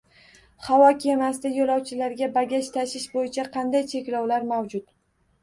Havo kemasida yo‘lovchilarga bagaj tashish bo‘yicha qanday cheklovlar mavjud?